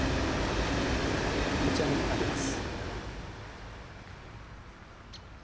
こちらにあります。